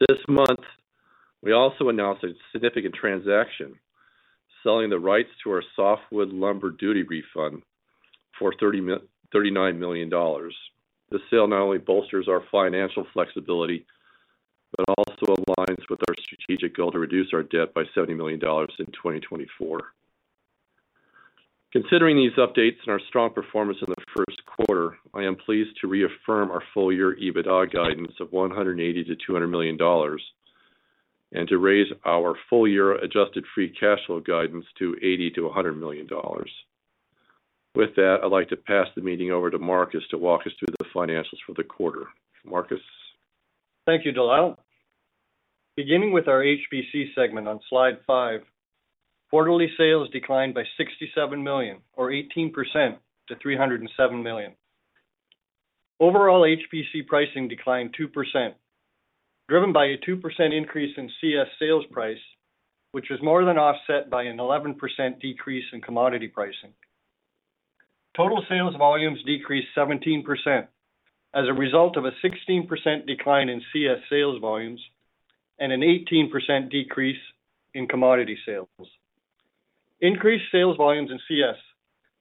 This month, we also announced a significant transaction, selling the rights to our Softwood Lumber Duty Refund for $39 million. The sale not only bolsters our financial flexibility, but also aligns with our strategic goal to reduce our debt by $70 million in 2024. Considering these updates and our strong performance in the first quarter, I am pleased to reaffirm our full-year EBITDA guidance of $180 million-$200 million, and to raise our full-year adjusted free cash flow guidance to $80 million-$100 million. With that, I'd like to pass the meeting over to Marcus to walk us through the financials for the quarter. Marcus? Thank you, De Lyle. Beginning with our HPC segment on slide five, quarterly sales declined by $67 million, or 18%, to $307 million. Overall, HPC pricing declined 2%, driven by a 2% increase in CS sales price, which was more than offset by an 11% decrease in commodity pricing. Total sales volumes decreased 17% as a result of a 16% decline in CS sales volumes and an 18% decrease in commodity sales. Increased sales volumes in CS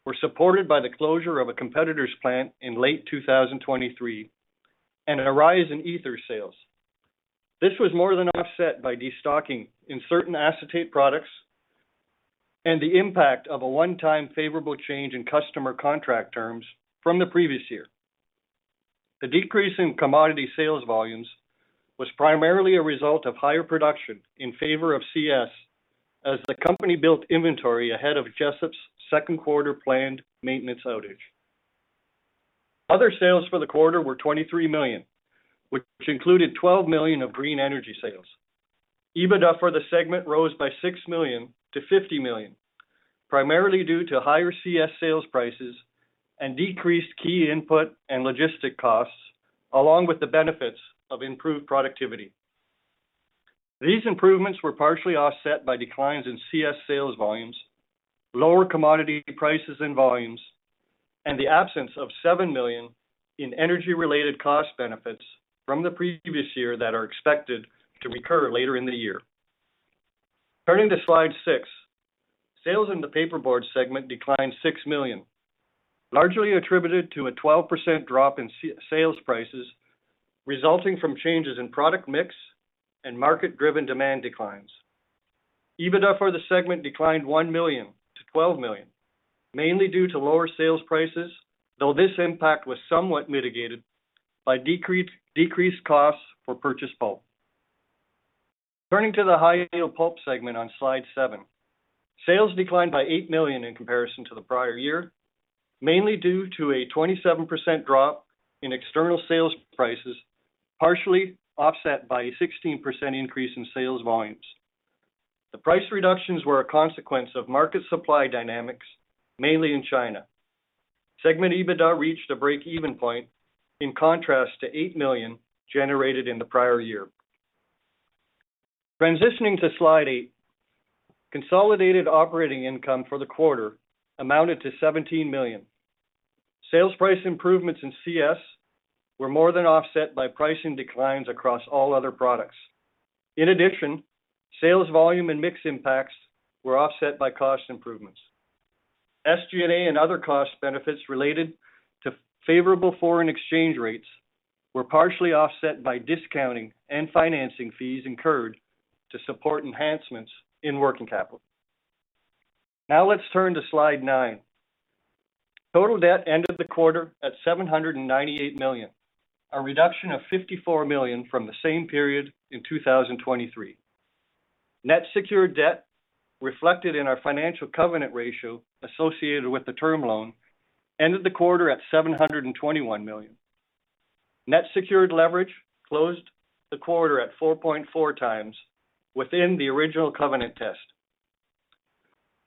were supported by the closure of a competitor's plant in late 2023 and a rise in ether sales. This was more than offset by destocking in certain acetate products and the impact of a one-time favorable change in customer contract terms from the previous year. The decrease in commodity sales volumes was primarily a result of higher production in favor of CS, as the company built inventory ahead of Jesup's second quarter planned maintenance outage. Other sales for the quarter were $23 million, which included $12 million of green energy sales. EBITDA for the segment rose by $6 million-$50 million, primarily due to higher CS sales prices and decreased key input and logistic costs, along with the benefits of improved productivity. These improvements were partially offset by declines in CS sales volumes, lower commodity prices and volumes, and the absence of $7 million in energy-related cost benefits from the previous year that are expected to recur later in the year. Turning to slide six, sales in the paperboard segment declined $6 million, largely attributed to a 12% drop in sales prices, resulting from changes in product mix and market-driven demand declines. EBITDA for the segment declined $1 million-$12 million, mainly due to lower sales prices, though this impact was somewhat mitigated by decreased costs for purchased pulp. Turning to the high yield pulp segment on slide seven, sales declined by $8 million in comparison to the prior year, mainly due to a 27% drop in external sales prices, partially offset by a 16% increase in sales volumes. The price reductions were a consequence of market supply dynamics, mainly in China. Segment EBITDA reached a break-even point, in contrast to $8 million generated in the prior year. Transitioning to slide eight, consolidated operating income for the quarter amounted to $17 million. Sales price improvements in CS were more than offset by pricing declines across all other products. In addition, sales volume and mix impacts were offset by cost improvements. SG&A and other cost benefits related to favorable foreign exchange rates were partially offset by discounting and financing fees incurred to support enhancements in working capital. Now let's turn to slide nine. Total debt ended the quarter at $798 million, a reduction of $54 million from the same period in 2023. Net secured debt, reflected in our financial covenant ratio associated with the term loan, ended the quarter at $721 million. Net secured leverage closed the quarter at 4.4x within the original covenant test.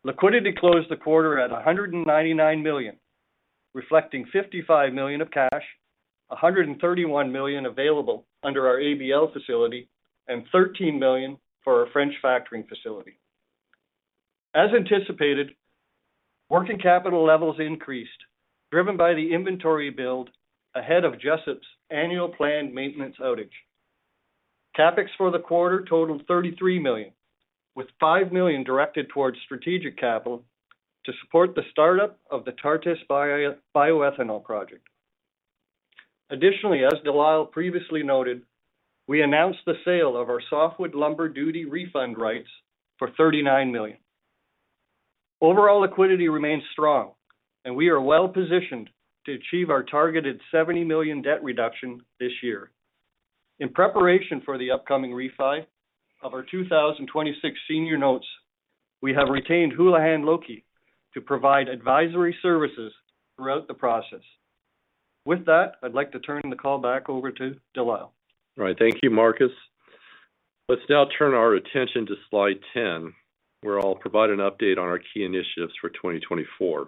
Liquidity closed the quarter at $199 million, reflecting $55 million of cash, $131 million available under our ABL facility, and $13 million for our French factoring facility. As anticipated, working capital levels increased, driven by the inventory build ahead of Jesup's annual planned maintenance outage. CapEx for the quarter totaled $33 million, with $5 million directed towards strategic capital to support the startup of the Tartas Bioethanol project. Additionally, as De Lyle previously noted, we announced the sale of our Softwood Lumber Duty Refund rights for $39 million. Overall liquidity remains strong, and we are well positioned to achieve our targeted $70 million debt reduction this year. In preparation for the upcoming refi of our 2026 senior notes, we have retained Houlihan Lokey to provide advisory services throughout the process. With that, I'd like to turn the call back over to De Lyle. All right. Thank you, Marcus. Let's now turn our attention to Slide 10, where I'll provide an update on our key initiatives for 2024.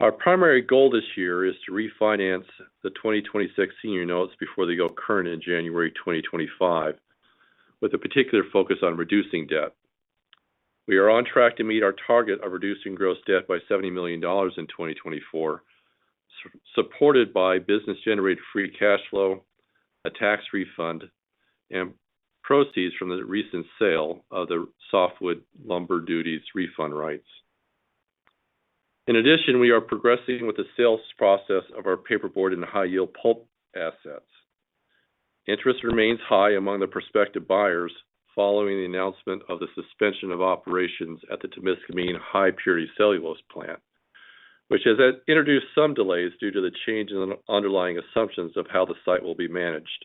Our primary goal this year is to refinance the 2026 Senior Notes before they go current in January 2025, with a particular focus on reducing debt. We are on track to meet our target of reducing gross debt by $70 million in 2024, supported by business-generated free cash flow, a tax refund, and proceeds from the recent sale of the softwood lumber duty refund rights. In addition, we are progressing with the sales process of our paperboard and high-yield pulp assets. Interest remains high among the prospective buyers following the announcement of the suspension of operations at the Temiscaming high-purity cellulose plant, which has introduced some delays due to the change in the underlying assumptions of how the site will be managed.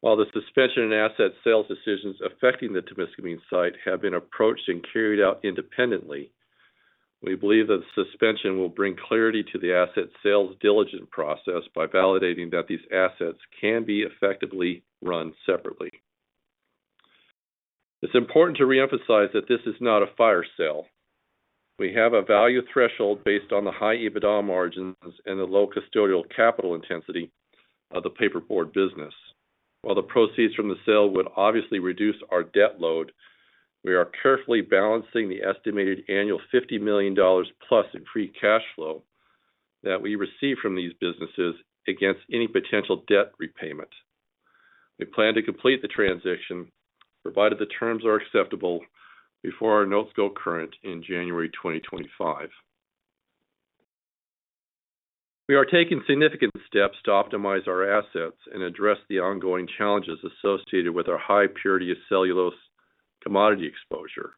While the suspension and asset sales decisions affecting the Temiscaming site have been approached and carried out independently, we believe that the suspension will bring clarity to the asset sales diligent process by validating that these assets can be effectively run separately. It's important to reemphasize that this is not a fire sale. We have a value threshold based on the high EBITDA margins and the low custodial capital intensity of the paperboard business. While the proceeds from the sale would obviously reduce our debt load, we are carefully balancing the estimated annual $50 million plus in free cash flow that we receive from these businesses against any potential debt repayment. We plan to complete the transition, provided the terms are acceptable, before our notes go current in January 2025. We are taking significant steps to optimize our assets and address the ongoing challenges associated with our high purity cellulose commodity exposure,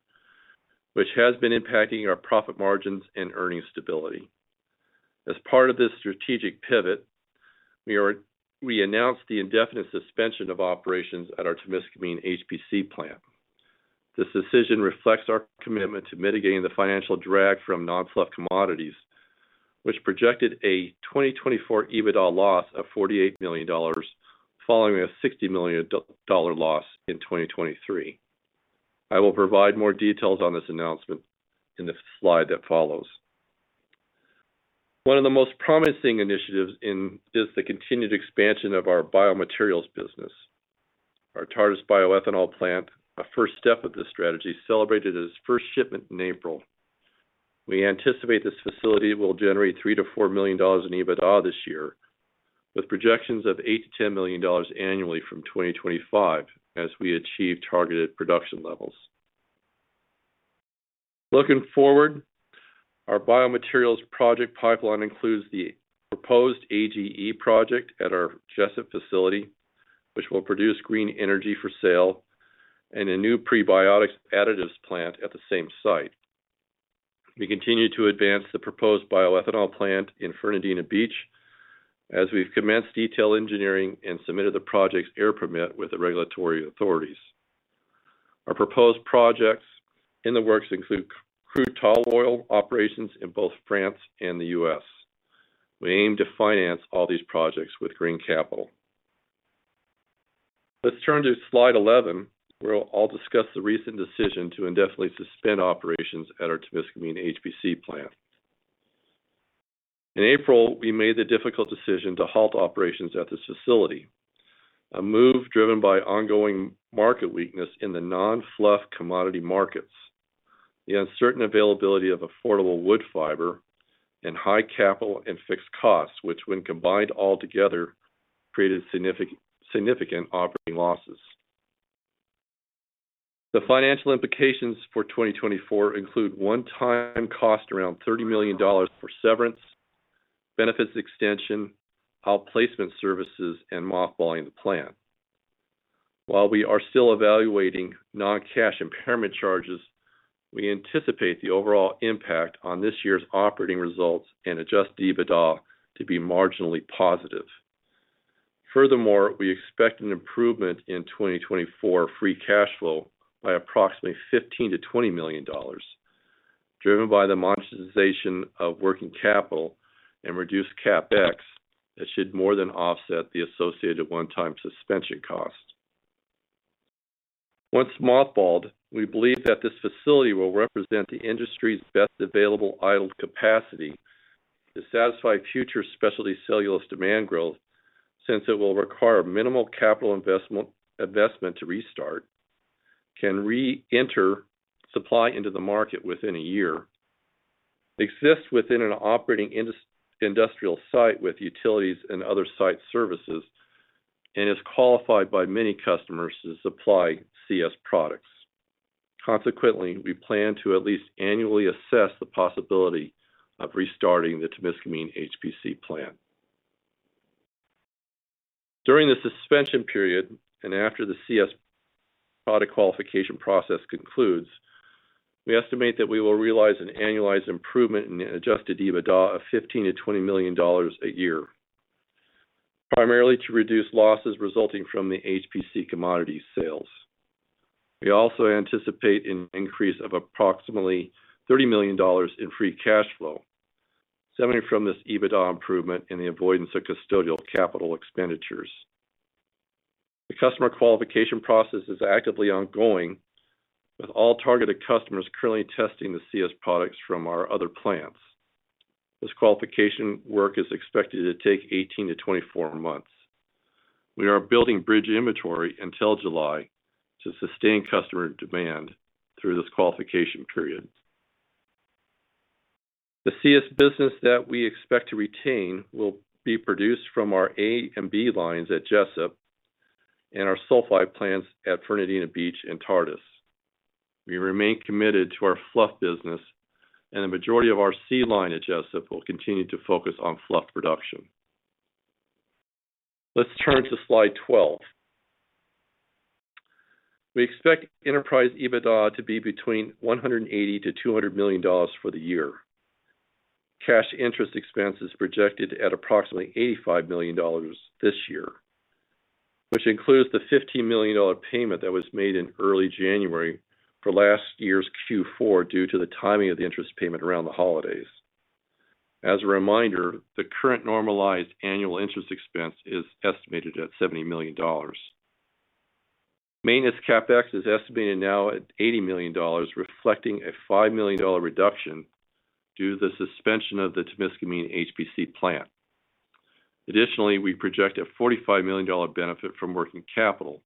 which has been impacting our profit margins and earning stability. As part of this strategic pivot, we announced the indefinite suspension of operations at our Temiscaming HPC plant. This decision reflects our commitment to mitigating the financial drag from non-fluff commodities, which projected a 2024 EBITDA loss of $48 million, following a $60 million dollar loss in 2023. I will provide more details on this announcement in the slide that follows. One of the most promising initiatives is the continued expansion of our biomaterials business. Our Tartas bioethanol plant, a first step of this strategy, celebrated its first shipment in April. We anticipate this facility will generate $3-$4 million in EBITDA this year, with projections of $8-$10 million annually from 2025 as we achieve targeted production levels. Looking forward, our biomaterials project pipeline includes the proposed AGE project at our Jesup facility, which will produce green energy for sale and a new prebiotic additives plant at the same site. We continue to advance the proposed bioethanol plant in Fernandina Beach, as we've commenced detail engineering and submitted the project's air permit with the regulatory authorities. Our proposed projects in the works include crude tall oil operations in both France and the U.S. We aim to finance all these projects with green capital. Let's turn to Slide 11, where I'll discuss the recent decision to indefinitely suspend operations at our Temiscaming HPC plant. In April, we made the difficult decision to halt operations at this facility, a move driven by ongoing market weakness in the non-fluff commodity markets, the uncertain availability of affordable wood fiber, and high capital and fixed costs, which, when combined altogether, created significant, significant operating losses. The financial implications for 2024 include one-time cost around $30 million for severance, benefits extension, outplacement services, and mothballing the plant. While we are still evaluating non-cash impairment charges, we anticipate the overall impact on this year's operating results and Adjusted EBITDA to be marginally positive. Furthermore, we expect an improvement in 2024 free cash flow by approximately $15 million-$20 million, driven by the monetization of working capital and reduced CapEx that should more than offset the associated one-time suspension cost. Once mothballed, we believe that this facility will represent the industry's best available idled capacity to satisfy future specialty cellulose demand growth, since it will require minimal capital investment to restart, can reenter supply into the market within a year, exists within an operating industrial site with utilities and other site services, and is qualified by many customers to supply CS products. Consequently, we plan to at least annually assess the possibility of restarting the Temiscaming HPC plant. During the suspension period, and after the CS product qualification process concludes, we estimate that we will realize an annualized improvement in Adjusted EBITDA of $15 million-$20 million a year, primarily to reduce losses resulting from the HPC commodity sales. We also anticipate an increase of approximately $30 million in free cash flow, stemming from this EBITDA improvement and the avoidance of custodial capital expenditures. The customer qualification process is actively ongoing, with all targeted customers currently testing the CS products from our other plants. This qualification work is expected to take 18 months-24 months.... We are building bridge inventory until July to sustain customer demand through this qualification period. The CS business that we expect to retain will be produced from our A and B lines at Jesup and our sulfite plants at Fernandina Beach and Tartas. We remain committed to our fluff business, and the majority of our C line at Jesup will continue to focus on fluff production. Let's turn to Slide 12. We expect enterprise EBITDA to be between $180 million-$200 million for the year. Cash interest expense is projected at approximately $85 million this year, which includes the $15 million payment that was made in early January for last year's Q4, due to the timing of the interest payment around the holidays. As a reminder, the current normalized annual interest expense is estimated at $70 million. Maintenance CapEx is estimated now at $80 million, reflecting a $5 million reduction due to the suspension of the Temiscaming HPC plant. Additionally, we project a $45 million benefit from working capital,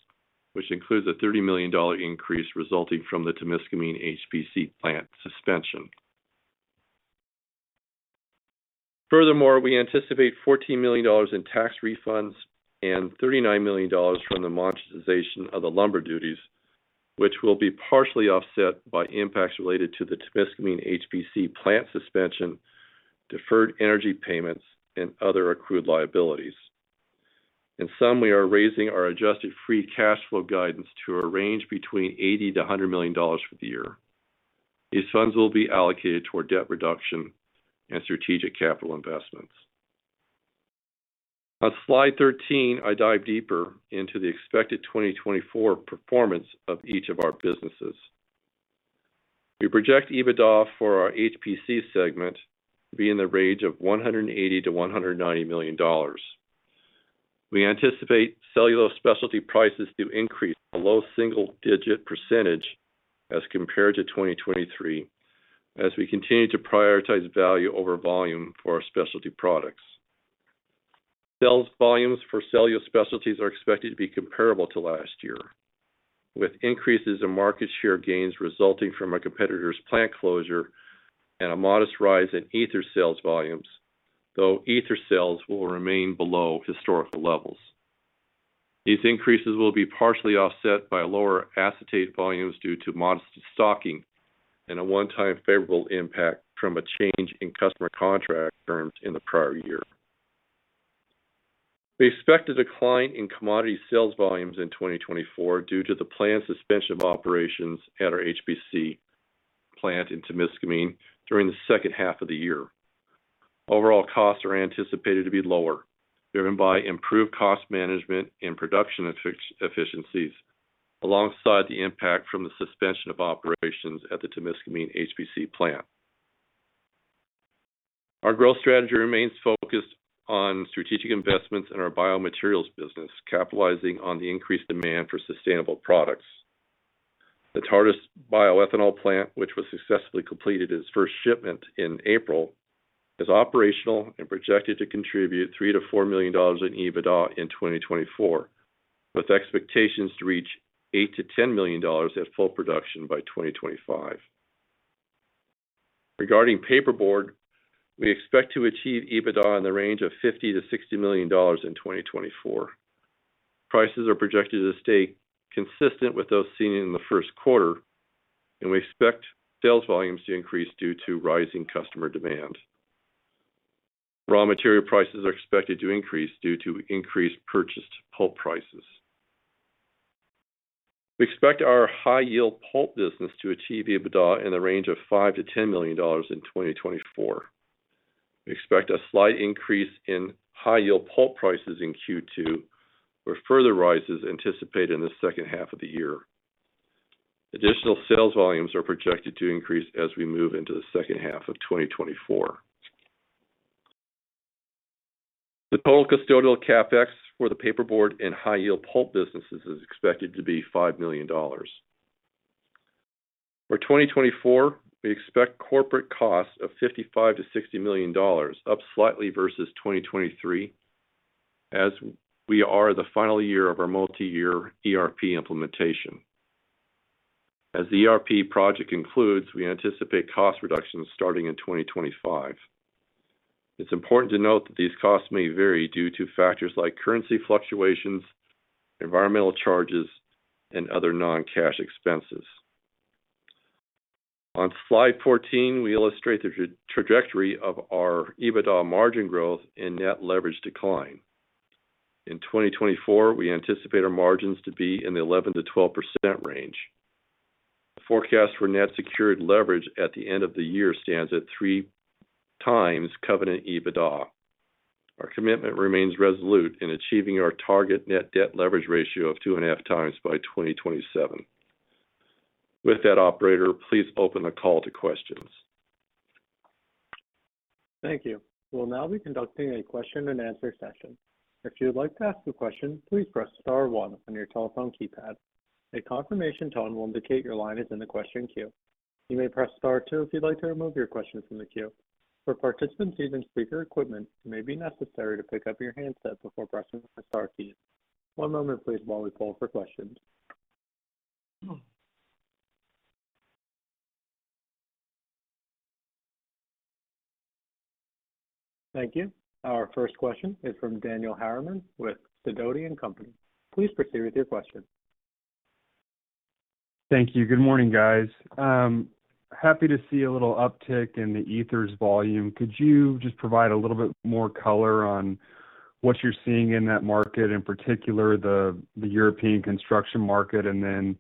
which includes a $30 million increase resulting from the Temiscaming HPC plant suspension. Furthermore, we anticipate $14 million in tax refunds and $39 million from the monetization of the lumber duties, which will be partially offset by impacts related to the Temiscaming HPC plant suspension, deferred energy payments, and other accrued liabilities. In sum, we are raising our adjusted free cash flow guidance to a range between $80 to $100 million for the year. These funds will be allocated toward debt reduction and strategic capital investments. On Slide 13, I dive deeper into the expected 2024 performance of each of our businesses. We project EBITDA for our HPC segment to be in the range of $180 million-$190 million. We anticipate Cellulose Specialties prices to increase a low single-digit % as compared to 2023, as we continue to prioritize value over volume for our specialty products. Sales volumes for Cellulose Specialties are expected to be comparable to last year, with increases in market share gains resulting from a competitor's plant closure and a modest rise in Ether sales volumes, though Ether sales will remain below historical levels. These increases will be partially offset by lower Acetate volumes due to modest destocking and a one-time favorable impact from a change in customer contract terms in the prior year. We expect a decline in Commodity sales volumes in 2024 due to the planned suspension of operations at our HPC plant in Temiscaming during the second half of the year. Overall costs are anticipated to be lower, driven by improved cost management and production efficiencies, alongside the impact from the suspension of operations at the Temiscaming HPC plant. Our growth strategy remains focused on strategic investments in our biomaterials business, capitalizing on the increased demand for sustainable products. The Tartas bioethanol plant, which was successfully completed its first shipment in April, is operational and projected to contribute $3 million-$4 million in EBITDA in 2024, with expectations to reach $8 million-$10 million at full production by 2025. Regarding paperboard, we expect to achieve EBITDA in the range of $50 million-$60 million in 2024. Prices are projected to stay consistent with those seen in the first quarter, and we expect sales volumes to increase due to rising customer demand. Raw material prices are expected to increase due to increased purchased pulp prices. We expect our high-yield pulp business to achieve EBITDA in the range of $5 million-$10 million in 2024. We expect a slight increase in high-yield pulp prices in Q2, with further rises anticipated in the second half of the year. Additional sales volumes are projected to increase as we move into the second half of 2024. The total custodial CapEx for the paperboard and high-yield pulp businesses is expected to be $5 million. For 2024, we expect corporate costs of $55 million-$60 million, up slightly versus 2023, as we are the final year of our multi-year ERP implementation. As the ERP project concludes, we anticipate cost reductions starting in 2025. It's important to note that these costs may vary due to factors like currency fluctuations, environmental charges, and other non-cash expenses. On Slide 14, we illustrate the trajectory of our EBITDA margin growth and net leverage decline. In 2024, we anticipate our margins to be in the 11%-12% range. The forecast for net secured leverage at the end of the year stands at 3x covenant EBITDA. Our commitment remains resolute in achieving our target net debt leverage ratio of 2.5x by 2027. With that, operator, please open the call to questions. Thank you. We'll now be conducting a question-and-answer session. If you'd like to ask a question, please press star one on your telephone keypad. A confirmation tone will indicate your line is in the question queue.... You may press star two if you'd like to remove your question from the queue. For participants using speaker equipment, it may be necessary to pick up your handset before pressing the star key. One moment please, while we pull for questions. Thank you. Our first question is from Daniel Harriman with Sidoti & Company. Please proceed with your question. Thank you. Good morning, guys. Happy to see a little uptick in the ethers volume. Could you just provide a little bit more color on what you're seeing in that market, in particular, the European construction market, and then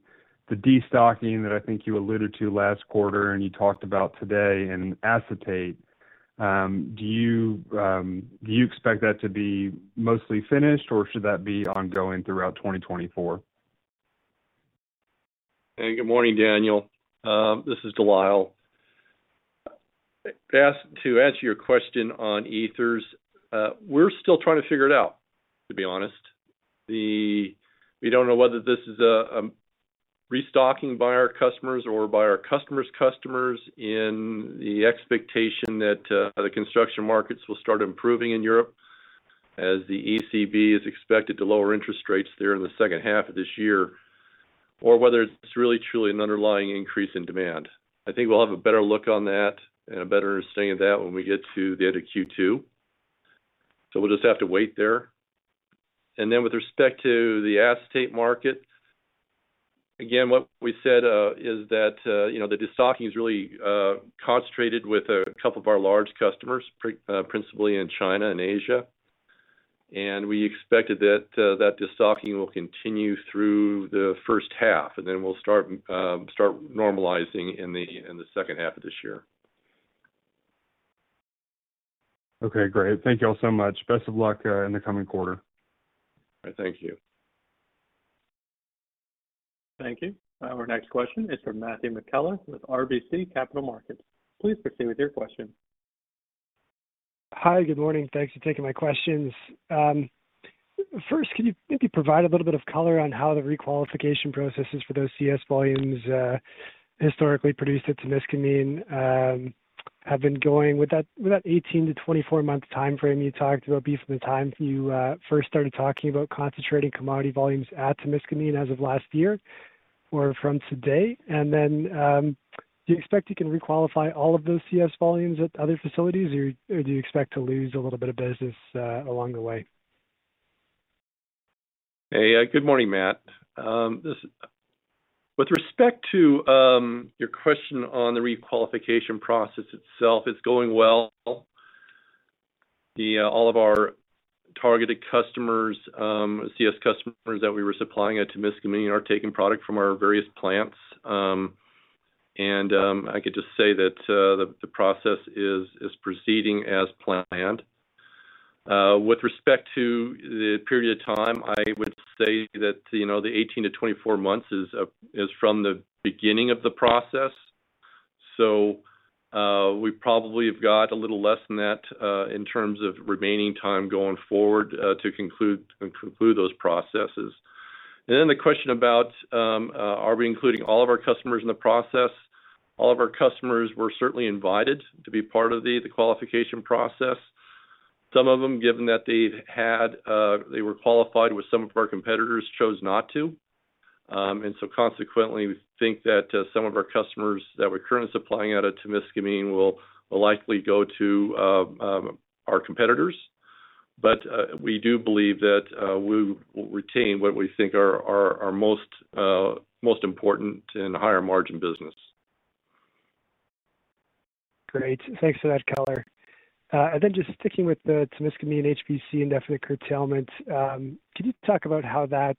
the destocking that I think you alluded to last quarter and you talked about today in acetate? Do you expect that to be mostly finished, or should that be ongoing throughout 2024? Hey, good morning, Daniel. This is De Lyle. Best to answer your question on ethers, we're still trying to figure it out, to be honest. We don't know whether this is restocking by our customers or by our customer's customers in the expectation that the construction markets will start improving in Europe as the ECB is expected to lower interest rates there in the second half of this year, or whether it's really, truly an underlying increase in demand. I think we'll have a better look on that and a better understanding of that when we get to the end of Q2. So we'll just have to wait there. And then with respect to the acetate market, again, what we said is that, you know, the destocking is really concentrated with a couple of our large customers, principally in China and Asia. And we expected that that destocking will continue through the first half, and then we'll start normalizing in the second half of this year. Okay, great. Thank you all so much. Best of luck in the coming quarter. Thank you. Thank you. Our next question is from Matthew McKellar with RBC Capital Markets. Please proceed with your question. Hi, good morning. Thanks for taking my questions. First, can you maybe provide a little bit of color on how the requalification processes for those CS volumes, historically produced at Temiscaming, have been going? With that, with that 18 month-24 month timeframe you talked about being from the time you, first started talking about concentrating commodity volumes at Temiscaming as of last year or from today. And then, do you expect you can requalify all of those CS volumes at other facilities, or, or do you expect to lose a little bit of business, along the way? Hey, good morning, Matt. With respect to your question on the requalification process itself, it's going well. All of our targeted customers, CS customers that we were supplying at Temiscaming, are taking product from our various plants. And I could just say that the process is proceeding as planned. With respect to the period of time, I would say that, you know, the 18 months-24 months is from the beginning of the process. So, we probably have got a little less than that in terms of remaining time going forward to conclude those processes. And then the question about are we including all of our customers in the process? All of our customers were certainly invited to be part of the qualification process. Some of them, given that they've had, they were qualified with some of our competitors, chose not to. And so consequently, we think that, some of our customers that we're currently supplying out of Temiscaming will likely go to, our competitors. But, we do believe that, we will retain what we think are our most important and higher margin business. Great. Thanks for that color. And then just sticking with the Temiscaming HPC indefinite curtailment, can you talk about how that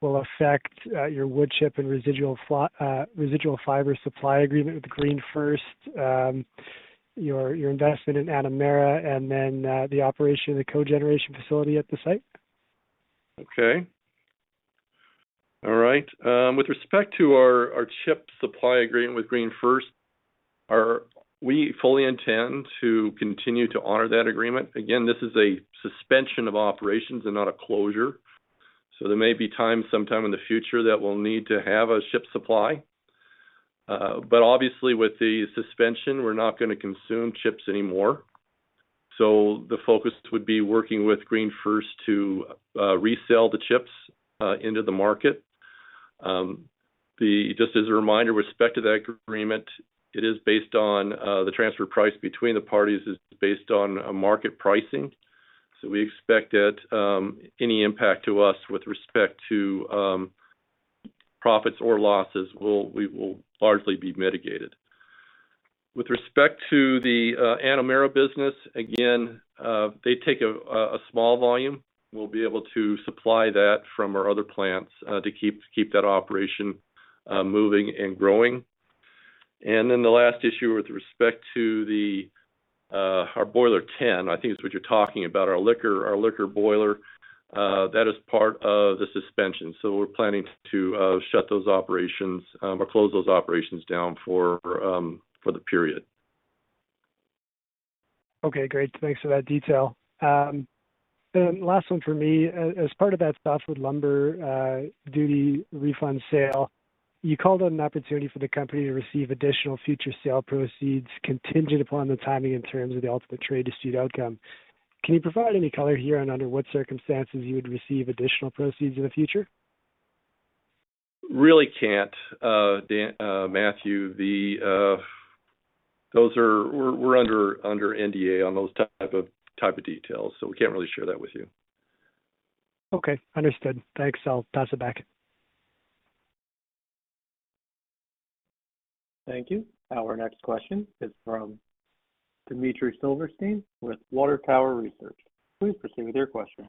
will affect your wood chip and residual fiber supply agreement with GreenFirst, your investment in Anomera, and then the operation of the cogeneration facility at the site? Okay. All right. With respect to our chip supply agreement with GreenFirst, we fully intend to continue to honor that agreement. Again, this is a suspension of operations and not a closure. So there may be times, sometime in the future, that we'll need to have a chip supply. But obviously, with the suspension, we're not gonna consume chips anymore. So the focus would be working with GreenFirst to resell the chips into the market. Just as a reminder, with respect to that agreement, it is based on the transfer price between the parties is based on a market pricing. So we expect that any impact to us with respect to profits or losses will largely be mitigated. With respect to the Anomera business, again, they take a small volume. We'll be able to supply that from our other plants to keep that operation moving and growing. And then the last issue, with respect to our Boiler 10, I think it's what you're talking about, our liquor boiler, that is part of the suspension. So we're planning to shut those operations or close those operations down for the period.... Okay, great. Thanks for that detail. Last one for me. As part of that stuff with lumber duty refund sale, you called it an opportunity for the company to receive additional future sale proceeds contingent upon the timing and terms of the ultimate trade dispute outcome. Can you provide any color here on under what circumstances you would receive additional proceeds in the future? Really can't, Dan, Matthew, those are, we're under NDA on those type of details, so we can't really share that with you. Okay, understood. Thanks. I'll pass it back. Thank you. Our next question is from Dmitry Silverstein with Water Tower Research. Please proceed with your question.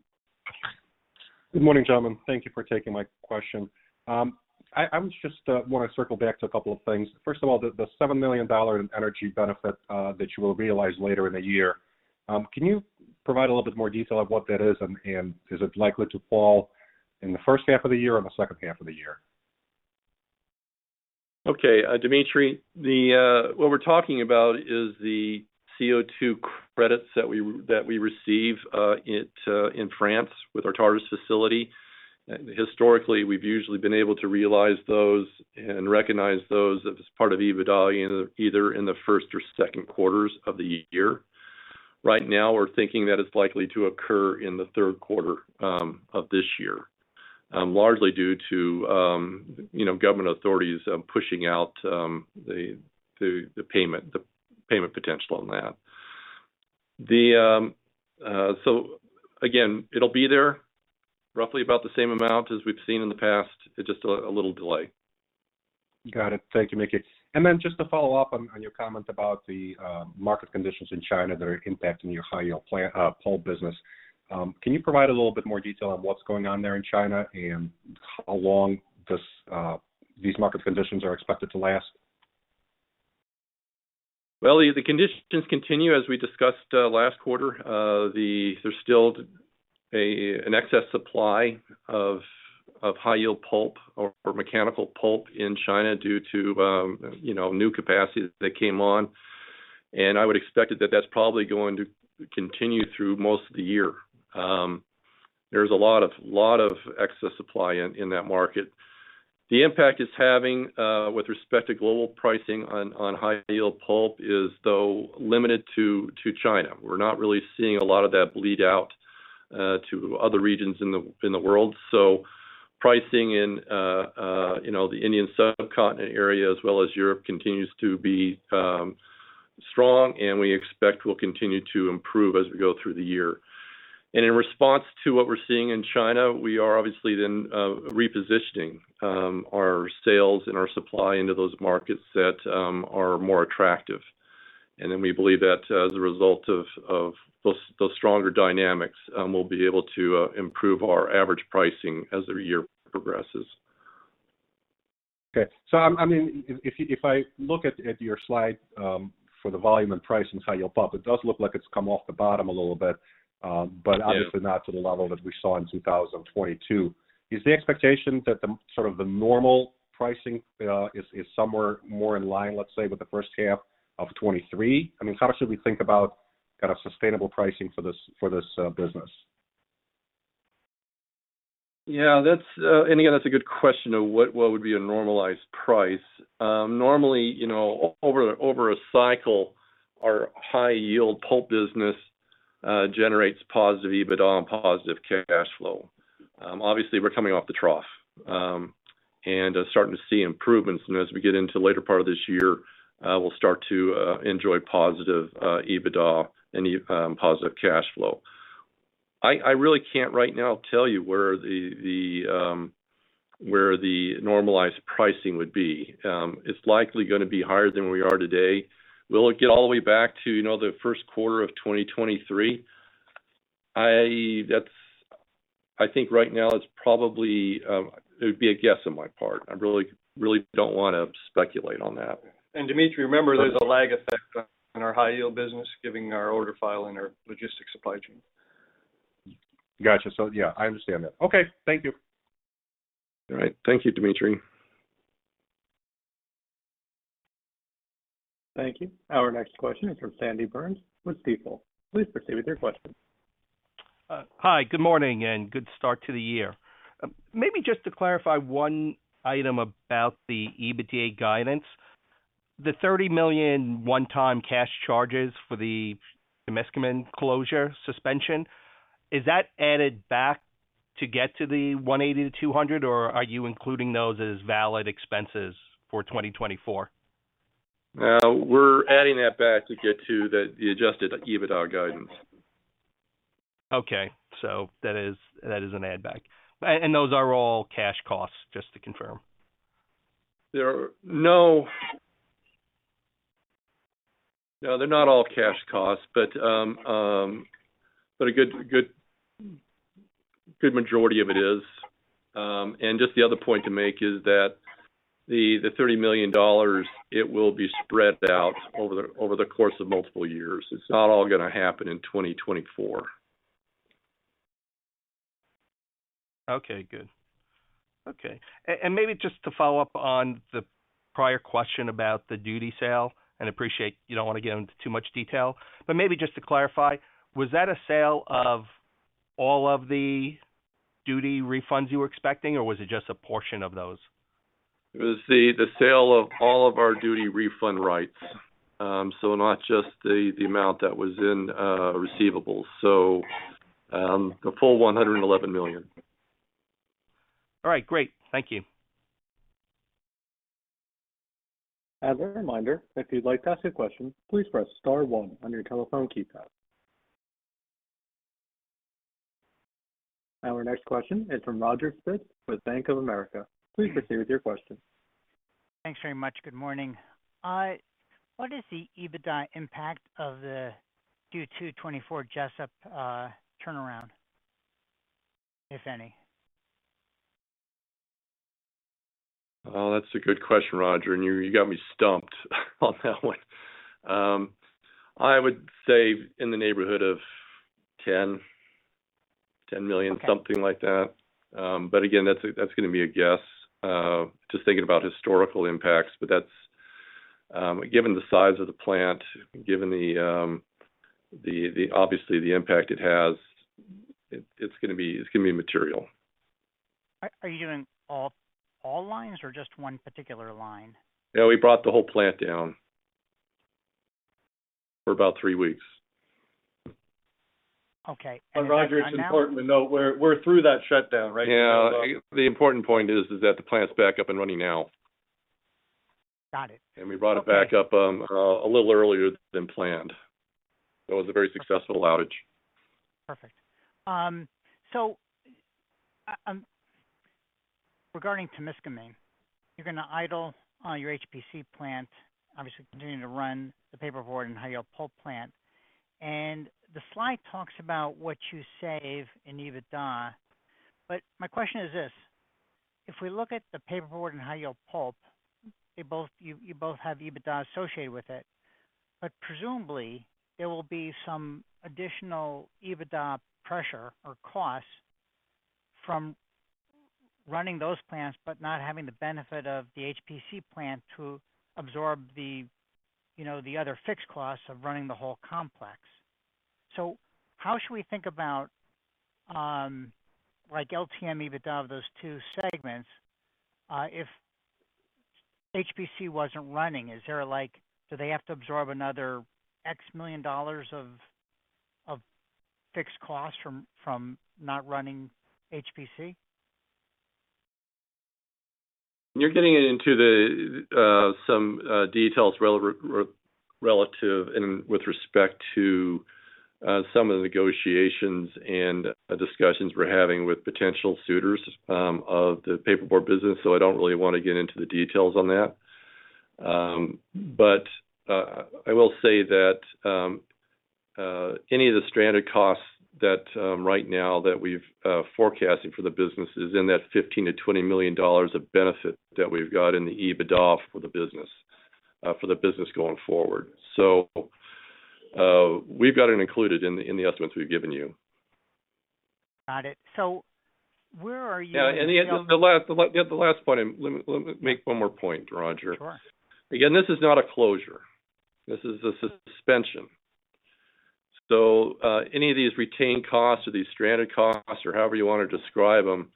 Good morning, gentlemen. Thank you for taking my question. I was just want to circle back to a couple of things. First of all, the $7 million in energy benefit that you will realize later in the year, can you provide a little bit more detail on what that is and is it likely to fall in the first half of the year or the second half of the year? Okay, Dmitry, the what we're talking about is the CO2 credits that we, that we receive, it, in France with our Tartas facility. Historically, we've usually been able to realize those and recognize those as part of EBITDA, either in the first or second quarters of the year. Right now, we're thinking that it's likely to occur in the third quarter, of this year, largely due to, you know, government authorities, pushing out, the payment potential on that. So again, it'll be there, roughly about the same amount as we've seen in the past. Just a little delay. Got it. Thank you, Marcus. And then just to follow up on your comment about the market conditions in China that are impacting your high-yield pulp business. Can you provide a little bit more detail on what's going on there in China and how long these market conditions are expected to last? Well, the conditions continue as we discussed last quarter. There's still an excess supply of High-Yield Pulp or mechanical pulp in China due to you know, new capacity that came on, and I would expect that that's probably going to continue through most of the year. There's a lot of excess supply in that market. The impact it's having with respect to global pricing on High-Yield Pulp is, though, limited to China. We're not really seeing a lot of that bleed out to other regions in the world. So pricing in you know, the Indian subcontinent area as well as Europe, continues to be strong, and we expect will continue to improve as we go through the year. In response to what we're seeing in China, we are obviously then repositioning our sales and our supply into those markets that are more attractive. Then we believe that as a result of those stronger dynamics, we'll be able to improve our average pricing as the year progresses. Okay. So I mean, if I look at your slide for the volume and price and high-yield pulp, it does look like it's come off the bottom a little bit. Yeah. but obviously not to the level that we saw in 2022. Is the expectation that the, sort of the normal pricing, is, is somewhere more in line, let's say, with the first half of 2023? I mean, how should we think about kind of sustainable pricing for this, for this, business? Yeah, that's, and again, that's a good question of what, what would be a normalized price. Normally, you know, over a cycle, our high-yield pulp business generates positive EBITDA and positive cash flow. Obviously, we're coming off the trough, and are starting to see improvements. And as we get into the later part of this year, we'll start to enjoy positive EBITDA and positive cash flow. I really can't right now tell you where the, the, where the normalized pricing would be. It's likely gonna be higher than we are today. We'll get all the way back to, you know, the first quarter of 2023. I... That's. I think right now it's probably, it would be a guess on my part. I really, really don't want to speculate on that. Dmitry, remember, there's a lag effect on our high-yield business, giving our order file and our logistics supply chain. Gotcha. So yeah, I understand that. Okay, thank you. All right. Thank you, Dmitry. Thank you. Our next question is from Sandy Burns with Stifel. Please proceed with your question. Hi, good morning, and good start to the year. Maybe just to clarify one item about the EBITDA guidance. The $30 million one-time cash charges for the Temiscaming closure suspension, is that added back to get to the $180-$200, or are you including those as valid expenses for 2024? We're adding that back to get to the adjusted EBITDA guidance. Okay, so that is an add back. And those are all cash costs, just to confirm? They're not all cash costs, but a good, good, good majority of it is. Just the other point to make is that the $30 million, it will be spread out over the course of multiple years. It's not all gonna happen in 2024.... Okay, good. Okay, and maybe just to follow up on the prior question about the duty sale, and appreciate you don't want to get into too much detail, but maybe just to clarify, was that a sale of all of the duty refunds you were expecting, or was it just a portion of those? It was the sale of all of our duty refund rights. So not just the amount that was in receivables. So, the full $111 million. All right, great. Thank you. As a reminder, if you'd like to ask a question, please press star one on your telephone keypad. Our next question is from Roger Spitz with Bank of America. Please proceed with your question. Thanks very much. Good morning. What is the EBITDA impact of the 2024 Jesup turnaround, if any? Well, that's a good question, Roger, and you got me stumped on that one. I would say in the neighborhood of $10 million, something like that. But again, that's gonna be a guess. Just thinking about historical impacts, but that's, given the size of the plant, given the obvious impact it has, it's gonna be material. Are you doing all lines or just one particular line? Yeah, we brought the whole plant down for about three weeks. Okay- Roger, it's important to note, we're through that shutdown, right? Yeah. The important point is that the plant's back up and running now. Got it. We brought it back up a little earlier than planned. It was a very successful outage. Perfect. So, regarding to Temiscaming, you're gonna idle your HPC plant, obviously continuing to run the paperboard and high-yield pulp plant. And the slide talks about what you save in EBITDA. But my question is this: If we look at the paperboard and high-yield pulp, you both have EBITDA associated with it, but presumably there will be some additional EBITDA pressure or costs from running those plants, but not having the benefit of the HPC plant to absorb the, you know, the other fixed costs of running the whole complex. So how should we think about, like LTM EBITDA of those two segments, if HPC wasn't running? Is there a like... Do they have to absorb another $X million of fixed costs from not running HPC? You're getting into the some details relative and with respect to some of the negotiations and the discussions we're having with potential suitors of the paperboard business, so I don't really want to get into the details on that. But I will say that any of the stranded costs that right now that we've forecasted for the business is in that $15 million-$20 million of benefit that we've got in the EBITDA for the business for the business going forward. So we've got it included in the in the estimates we've given you. Got it. So where are you? Yeah, and the last point, let me make one more point, Roger. Sure. Again, this is not a closure, this is a suspension. So, any of these retained costs or these stranded costs, or however you want to describe them,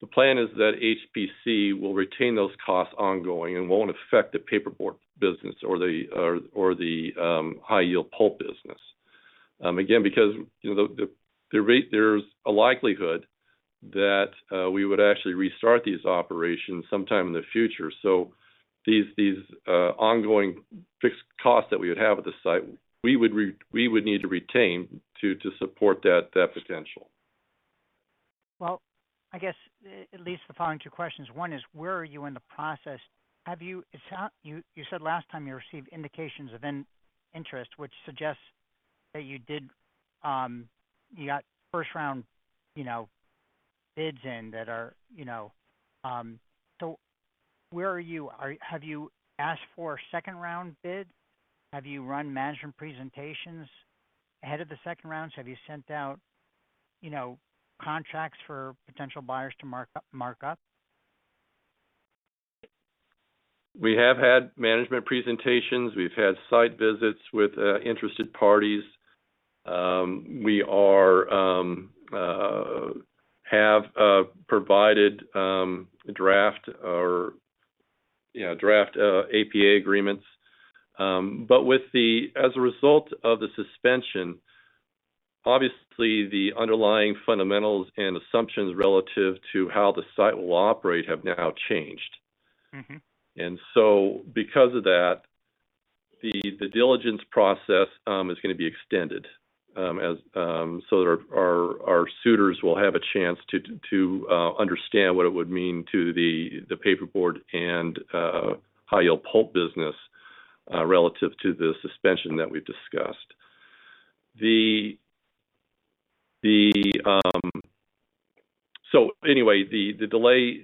the plan is that HPC will retain those costs ongoing and won't affect the paperboard business or the high-yield pulp business. Again, because, you know, the rate—there's a likelihood that we would actually restart these operations sometime in the future. So these ongoing fixed costs that we would have at the site, we would need to retain to support that potential. Well, I guess it leads to the following two questions. One is, where are you in the process? It sounds like you said last time you received indications of interest, which suggests that you did, you got first-round, you know, bids in that are, you know. So where are you? Have you asked for second-round bid? Have you run management presentations ahead of the second rounds? Have you sent out, you know, contracts for potential buyers to mark up, mark up? We have had management presentations. We've had site visits with interested parties. We have provided draft, you know, draft APA agreements. As a result of the suspension, obviously the underlying fundamentals and assumptions relative to how the site will operate have now changed. Mm-hmm. Because of that, the diligence process is gonna be extended, so that our suitors will have a chance to understand what it would mean to the paperboard and high-yield pulp business, relative to the suspension that we've discussed. So anyway, the delay,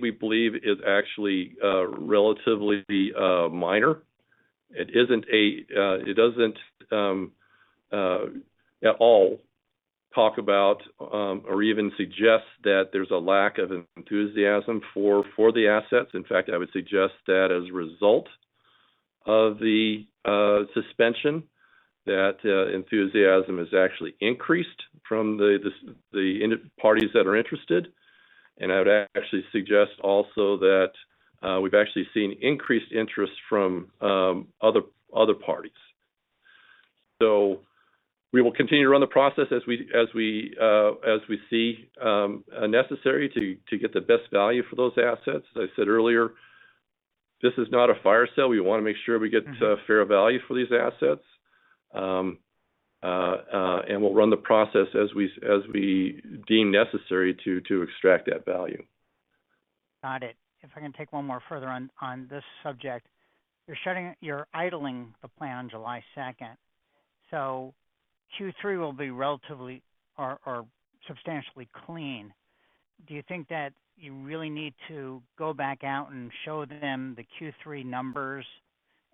we believe, is actually relatively minor. It isn't a, it doesn't at all talk about or even suggest that there's a lack of enthusiasm for the assets. In fact, I would suggest that as a result of the suspension, enthusiasm has actually increased from the in-parties that are interested. And I would actually suggest also that we've actually seen increased interest from other parties. So we will continue to run the process as we see necessary to get the best value for those assets. As I said earlier, this is not a fire sale. We wanna make sure we get fair value for these assets. And we'll run the process as we deem necessary to extract that value. Got it. If I can take one more further on, on this subject. You're idling the plant on July 2nd, so Q3 will be relatively or substantially clean. Do you think that you really need to go back out and show them the Q3 numbers,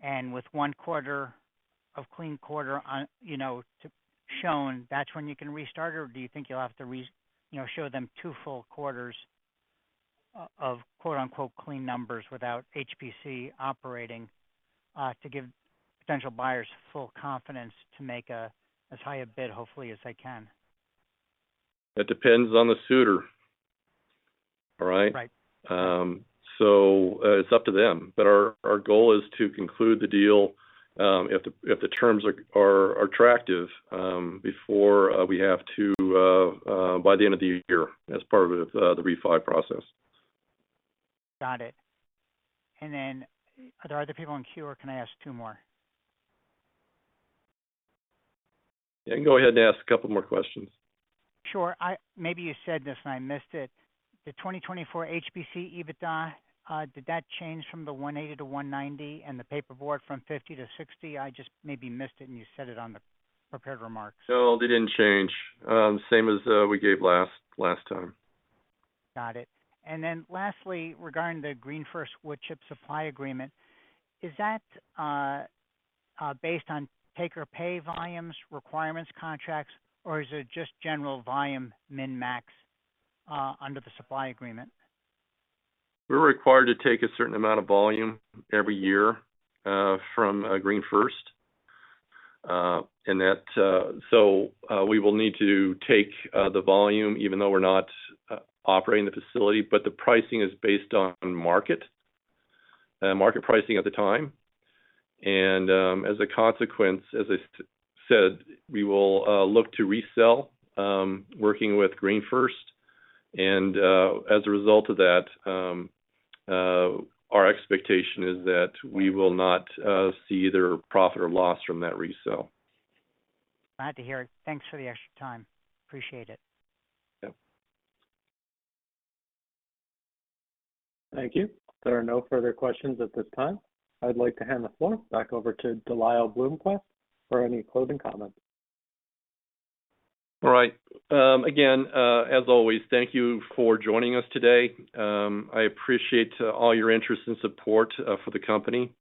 and with one quarter of clean quarter on, you know, to shown, that's when you can restart? Or do you think you'll have to, you know, show them two full quarters of, quote-unquote, "clean numbers," without HPC operating, to give potential buyers full confidence to make a, as high a bid, hopefully, as they can? That depends on the suitor. All right? Right. So, it's up to them. But our goal is to conclude the deal, if the terms are attractive, before we have to, by the end of the year as part of the refi process. Got it. Are there other people in queue, or can I ask two more? You can go ahead and ask a couple more questions. Sure. Maybe you said this and I missed it. The 2024 HPC EBITDA, did that change from 180-190, and the paperboard from 50-60? I just maybe missed it, and you said it on the prepared remarks. No, they didn't change. Same as we gave last time. Got it. And then lastly, regarding the GreenFirst wood chip supply agreement, is that based on take-or-pay volumes, requirements, contracts, or is it just general volume min-max under the supply agreement? We're required to take a certain amount of volume every year from GreenFirst. And that... So, we will need to take the volume even though we're not operating the facility, but the pricing is based on market pricing at the time. And, as a consequence, as I said, we will look to resell working with GreenFirst. And, as a result of that, our expectation is that we will not see either profit or loss from that resell. Glad to hear it. Thanks for the extra time. Appreciate it. Yeah. Thank you. There are no further questions at this time. I'd like to hand the floor back over to De Lyle Bloomquist for any closing comments. All right. Again, as always, thank you for joining us today. I appreciate all your interest and support for the company.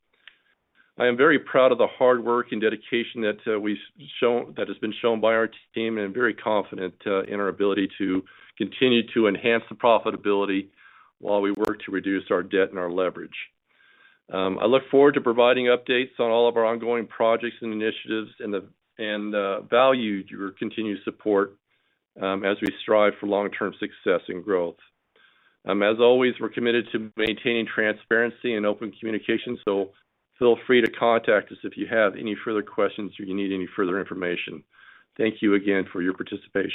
I am very proud of the hard work and dedication that has been shown by our team, and very confident in our ability to continue to enhance the profitability while we work to reduce our debt and our leverage. I look forward to providing updates on all of our ongoing projects and initiatives and value your continued support as we strive for long-term success and growth. As always, we're committed to maintaining transparency and open communication, so feel free to contact us if you have any further questions or you need any further information. Thank you again for your participation.